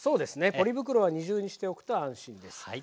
ポリ袋は二重にしておくと安心です。